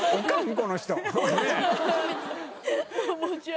この人。